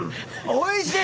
おいしい。